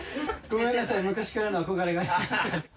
ごめんなさい、昔からの憧れが。